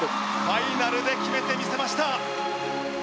ファイナルで決めてみせました。